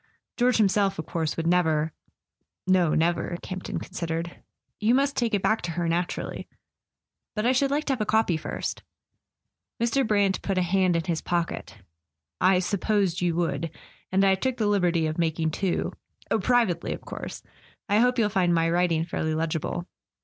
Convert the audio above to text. George himself, of course, would never " "No, never." Camp ton considered. "You must [ 307 ] A SON AT THE FRONT take it back to her, naturally. But I should like to have a copy first." Mr. Brant put a hand in his pocket. "I supposed you would. And I took the liberty of making two— oh, privately, of course. I hope you'll find my writing fairly legible."